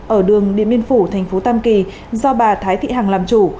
ở đường điện biên phủ thành phố tam kỳ do bà thái thị hằng làm chủ